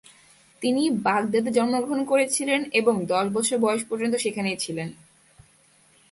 তিনি বাগদাদে জন্মগ্রহণ করেছিলেন এবং দশ বছর বয়স পর্যন্ত সেখানেই ছিলেন।